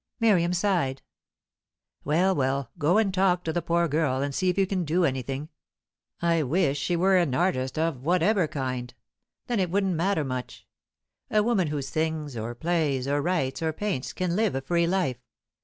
Miriam sighed. "Well, well; go and talk to the poor girl, and see if you can do anything. I wish she were an artist, of whatever kind; then it wouldn't matter much. A woman who sings, or plays, or writes, or paints, can live a free life.